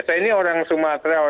saya ini orang sumatera